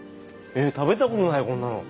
ええ食べたことないこんなの。